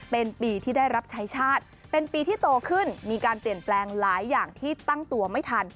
เป็นปีที่ได้รับใช้ชาติเป็นปีที่โตขึ้นมีการเปลี่ยนแปลงหลายอย่างที่ตั้งตัวไม่ทัน